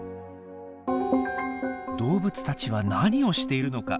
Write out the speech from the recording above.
動物たちは何をしているのか？